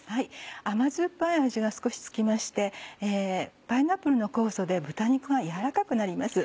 甘酸っぱい味が少し付きましてパイナップルの酵素で豚肉がやわらかくなります。